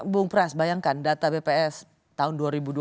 bung pras bayangkan data bps tahun dua ribu dua puluh